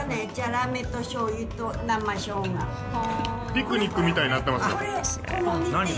ピクニックみたいになってますよ。